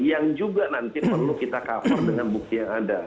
yang juga nanti perlu kita cover dengan bukti yang ada